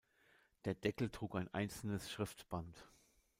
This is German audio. Der Deckel trug ein einzelnes Schriftband.